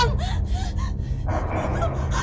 kau bertahanlah ratna